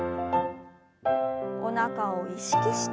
おなかを意識して。